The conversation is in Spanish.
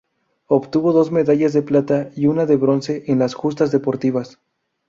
Obtuvo dos medallas de plata y una de bronce en las justas deportivas.